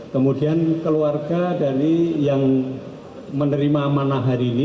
kemudian keluarga dari yang menerima mana hari ini